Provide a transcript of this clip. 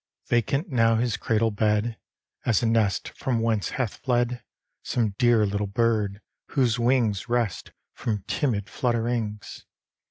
Vacant now his cradle bed, As a nest from whence hath fled Some dear little bird, whose wings Rest from timid flutterings.